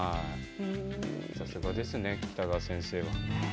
さすがですね、北川先生は。